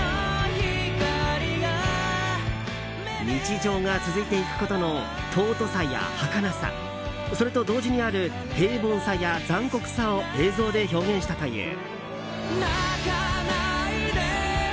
日常が続いていくことの尊さや、はかなさそれと同時にある平凡さや残酷さを映像で表現したという。